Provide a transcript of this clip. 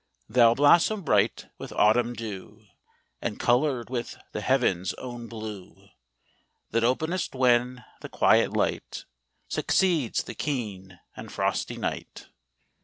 Thou blossom bright with autumn dew, And coloured with the heaven's own blue, That openest when the quiet light Succeeds the keen and frosty night.